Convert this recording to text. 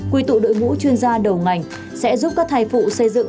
quy tụ đội ngũ chuyên gia đầu ngành sẽ giúp các thai phụ xây dựng